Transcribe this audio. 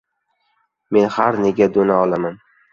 Men har nega do‘na olaman